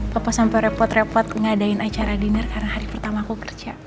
papa sampai repot repot ngadain acara dinner karena hari pertama aku kerja